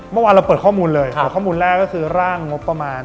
เมื่อวานเราเปิดข้อมูลเลยเปิดข้อมูลแรกก็คือร่างงบประมาณ